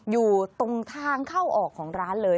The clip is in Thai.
อยู่ตรงทางเข้าออกของร้านเลย